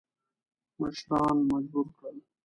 مشران مجبور کړل.